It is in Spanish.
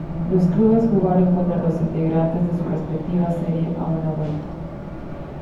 Los clubes jugaron contra los integrantes de su respectiva serie a una vuelta.